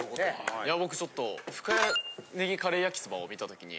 いや僕ちょっと深谷ねぎカレーやきそばを見たときに。